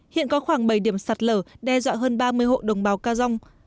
hiện có khoảng bảy điểm sạt lở đe dọa hơn ba mươi hộ đồng bào ca dông